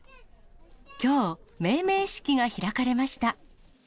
きょう、命名式が開かれました。